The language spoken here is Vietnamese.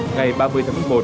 ngày ba mươi tháng một mươi một